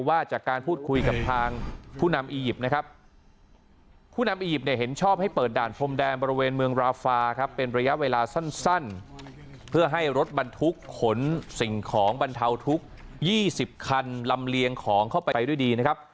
ว่าจากการพูดคุยกับทางผู้นำอียิปต์นะครับ